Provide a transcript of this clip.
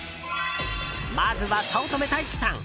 まずは、早乙女太一さん。